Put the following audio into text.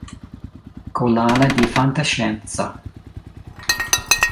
Collana di Fantascienza.